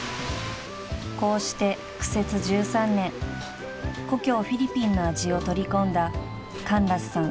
［こうして苦節１３年故郷フィリピンの味を取り込んだカンラスさん